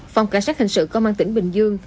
phòng cảnh sát hình sự công an tỉnh bình dương